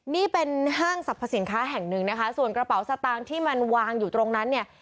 นี่เป็นห้างสรรพสินค้าแห่งหนึ่งนะคะส่วนกระเป๋าสตางค์ที่มันวางอยู่ตรงนั้นเนี่ย